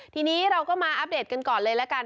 ทีนี้เราก็มาอัปเดตกันก่อนเลยละกัน